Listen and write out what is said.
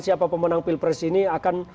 siapa pemenang pilpres ini akan